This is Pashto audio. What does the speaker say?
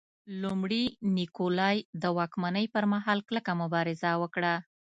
لومړي نیکولای د واکمنۍ پرمهال کلکه مبارزه وکړه.